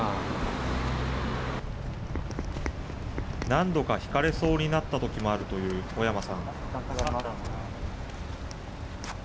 何度かひかれそうになったこともあるという小山さん。